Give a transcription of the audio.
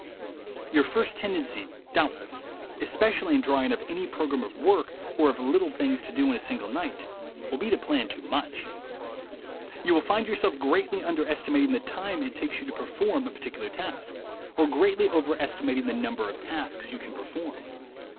Your first tendency, doubtless, especially in drawing up any program of work or of little things to do in a single night, will be to plan too much. You will find yourself greatly underestimat ing the time it takes you to perform a particular 126 THE WAY TO WILL POWER task, or greatly overestimating the number of tasks you can perform.